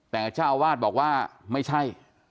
แต่เจ้าอาวาสบอกว่าไม่ใช่